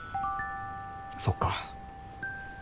そっか。